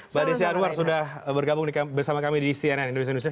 mbak desi anwar sudah bergabung bersama kami di cnn indonesia newscast